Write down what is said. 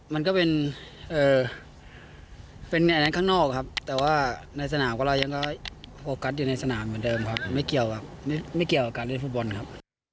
มันก็เป็นอันนั้นข้างนอกครับแต่ว่าในสนามของเรายังก็โฟกัสอยู่ในสนามเหมือนเดิมครับไม่เกี่ยวครับไม่เกี่ยวกับการเล่นฟุตบอลครับ